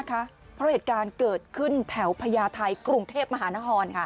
เพราะเหตุการณ์เกิดขึ้นแถวพญาไทยกรุงเทพมหานคร